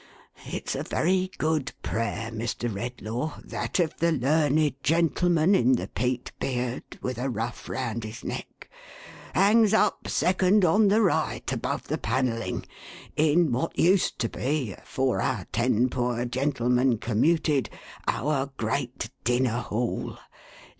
" It's a verv good prayer, Mr. Redlaw, that of the learned gentleman in the peaked beard, with a ruff' round his neck— hangs up, second on the right above the panelling, in what used to be, afore our ten poor gentlemen commuted, our great Dinner Hall.